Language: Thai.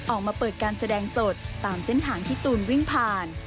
ออกมาเปิดการแสดงสดตามเส้นทางที่ตูนวิ่งผ่าน